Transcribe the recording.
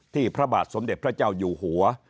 พระบาทสมเด็จพระเจ้าอยู่หัว